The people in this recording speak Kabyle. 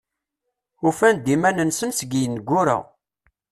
Ufan-d iman-nsen seg yineggura.